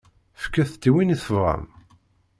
Fket-t i win i tebɣam.